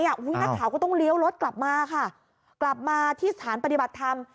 นักข่าก็ต้องเลี้ยวรถกลับมาที่สถานปฏิบัติธรรม